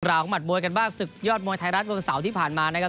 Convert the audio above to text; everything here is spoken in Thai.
ของหัดมวยกันบ้างศึกยอดมวยไทยรัฐวันเสาร์ที่ผ่านมานะครับ